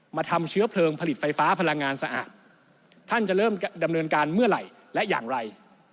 มาทำเชื้อเพลิงผลิตไฟฟ้าพลังงานสะอาดท่านจะเริ่มดำเนินการเมื่อไหร่และอย่างไร